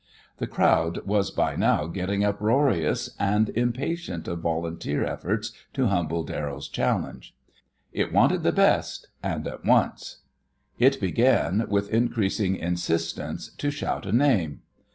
The crowd was by now getting uproarious and impatient of volunteer effort to humble Darrell's challenge. It wanted the best, and at once. It began, with increasing insistence, to shout a name.